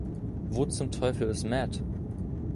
Wo zum Teufel ist Matt?